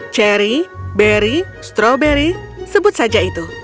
cherry beri strawberry sebut saja itu